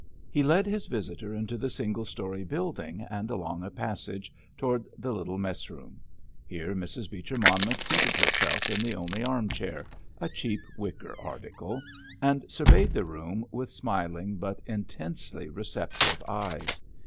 He led his visitor into the single story building, and along a passage toward the little mess room. Here Mrs. Beecher Monmouth seated herself in the only armchair—a cheap wicker article—and surveyed the room with smiling, but intensely receptive eyes.